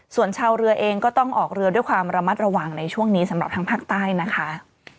ส่วนชาวเรือเองก็ต้องออกเรือด้วยความระมัดระวังในช่วงนี้สำหรับทางภาคใต้นะคะ